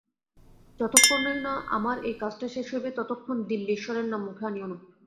যতক্ষণে না আমার এই কাজটা শেষ হইবে, ততক্ষণ দিল্লীশ্বরের নাম মুখে আনিয়ো না।